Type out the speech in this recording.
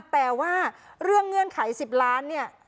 แต่ว่าเรื่องเงื่อนไข๑๐ล้านเนี่ย